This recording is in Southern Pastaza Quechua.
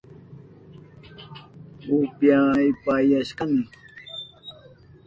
Upyapayashkani